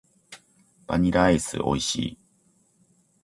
バニラアイス美味しい。